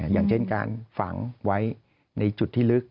อย่างเช่นการฝังไว้ในจุดที่ลึก